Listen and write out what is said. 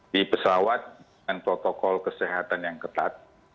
di pesawat dengan protokol kesehatan yang ketat